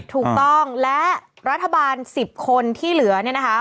ถูกต้องและรัฐบาล๑๐คนที่เหลือเนี่ยนะคะ